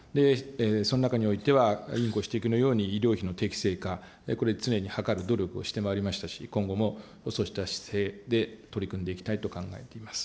その中においては、委員ご指摘のように医療費の適正化、これ、常に図る努力をしてまいりましたし、今後もそうした姿勢で取り組んでいきたいと考えています。